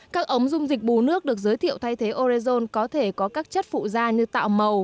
các ống dung dịch bù nước được giới thiệu thay thế orezon có thể có các chất phụ da như tạo màu